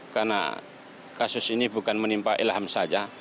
karena kasus ini bukan menimpa ilham saja